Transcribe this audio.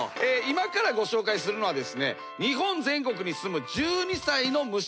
今からご紹介するのはですね日本全国に住む。